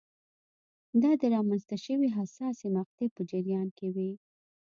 دا د رامنځته شوې حساسې مقطعې په جریان کې وې.